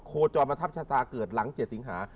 โคจรมาทับชะตาเกิดหลัง๗สิงหา